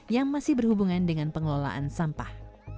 yang masih berhubungan dengan pengelolaan sampah